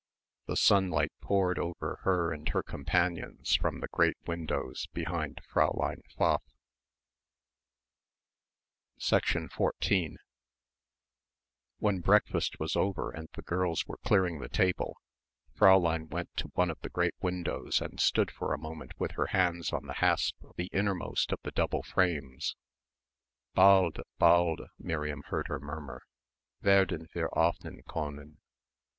The sunlight poured over her and her companions from the great windows behind Fräulein Pfaff.... 14 When breakfast was over and the girls were clearing the table, Fräulein went to one of the great windows and stood for a moment with her hands on the hasp of the innermost of the double frames. "Balde, balde," Miriam heard her murmur, "werden wir öffnen können."